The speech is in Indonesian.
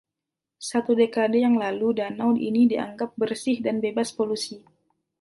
Satu dekade yang lalu danau ini dianggap bersih dan bebas polusi.